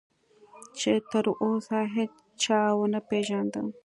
چې تراوسه هیچا ونه پېژانده.